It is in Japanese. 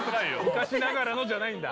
昔ながらのじゃないんだ